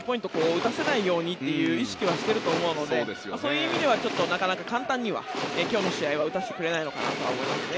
打たせないようにという意識はしていると思うのでそういう意味ではなかなか簡単には今日の試合は打たせてくれないのかなとは思いますね。